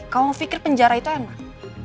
kau mau pikir penjara itu emang